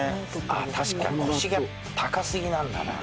あっ確かに腰が高すぎなんだな。